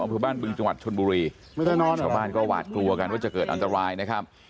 อำเภอบ้านบึงจังหวัดชนบุรีไม่ได้นอนชาวบ้านก็หวาดกลัวกันว่าจะเกิดอันตรายนะครับ